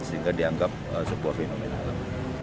sehingga dianggap sebuah fenomena alam